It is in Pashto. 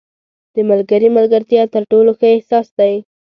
• د ملګري ملګرتیا تر ټولو ښه احساس دی.